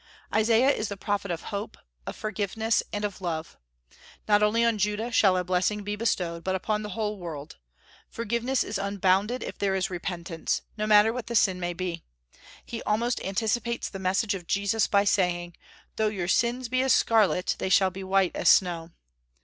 Isaiah is the prophet of hope, of forgiveness, and of love. Not only on Judah shall a blessing be bestowed, but upon the whole world. Forgiveness is unbounded if there is repentance, no matter what the sin may be. He almost anticipates the message of Jesus by saying, "Though your sins be as scarlet, they shall be white as snow."